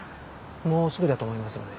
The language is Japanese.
もうすぐだと思いますので。